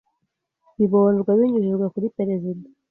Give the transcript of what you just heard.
Bibonjwe binyujijwe kuri perezida